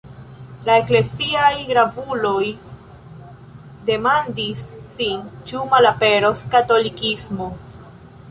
La ekleziaj gravuloj demandis sin ĉu malaperos katolikismo.